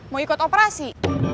mau ikut operasi